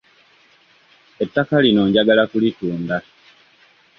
Ettaka lino njagala kulitunda.